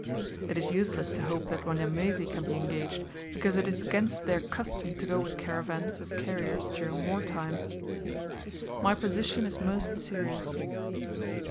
It is useless to hope that Wanyamwezi can be engaged, because it is against their custom to go with caravans, as carriers, during war time. My position is most serious.